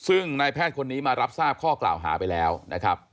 ซึ่งนายแพทย์คนนี้มารับทราบข้อกล่าวหาไปแล้วนะครับ